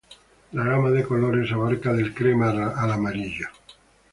La gama de colores abarca del crema al amarillo.